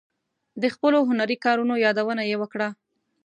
د خپلو هنري کارونو یادونه یې وکړه.